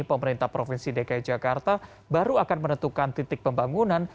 pemerintah provinsi dki jakarta baru akan menentukan titik pembangunan